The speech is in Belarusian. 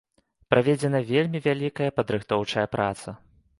Праведзена вельмі вялікая падрыхтоўчая праца.